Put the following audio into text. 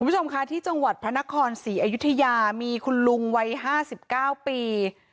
คุณผู้ชมค่ะที่จังหวัดพระนครศรีอยุธยามีคุณลุงวัย๕๙ปี